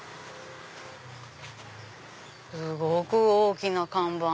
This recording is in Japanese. すごく大きな看板。